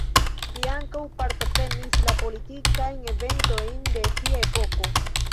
Li ankaŭ partoprenis la politikajn eventojn de sia epoko.